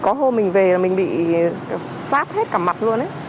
có hôm mình về là mình bị sát hết cả mặt luôn ấy